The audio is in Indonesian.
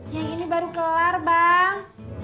yang ini baru kelar bang